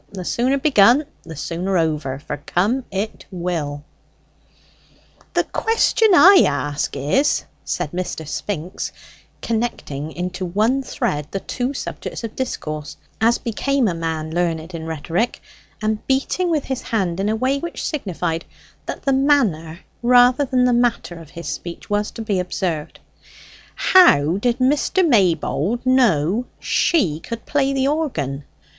The sooner begun, the sooner over; for come it will." "The question I ask is," said Mr. Spinks, connecting into one thread the two subjects of discourse, as became a man learned in rhetoric, and beating with his hand in a way which signified that the manner rather than the matter of his speech was to be observed, "how did Mr. Maybold know she could play the organ?